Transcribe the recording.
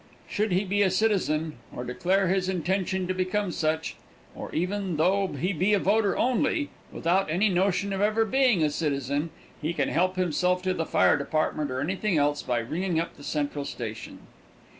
Should he be a citizen, or declare his intention to become such, or even though he be a voter only, without any notion of ever being a citizen, he can help himself to the fire department or anything else by ringing up the central station.